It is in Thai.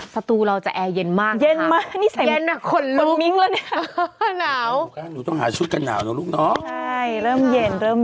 ไม่แต่เวลาฝนตกนี้สตูเจล์มีแจกสะเอียดไม่อยู่